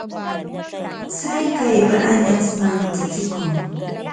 Tsakaypa añash manchachikun.